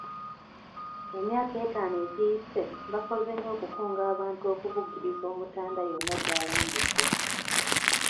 Emyaka etaano egiyise, bakoze nnyo okukunga abantu okubugiriza Omutanda yonna gy'alambudde.